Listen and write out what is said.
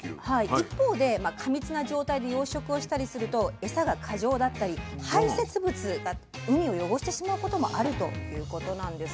一方で過密な状態で養殖をしたりすると餌が過剰だったり排せつ物が海を汚してしまうこともあるということなんです。